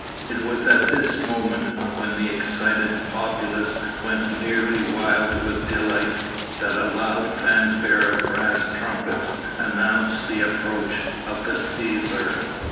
It was at this moment, when the excited populace went nearly wild with delight, that a loud fanfare of brass trumpets announced the approach of the Cæsar.